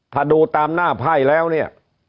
ถ้าดูตามหน้าไพ่แล้วเนี่ย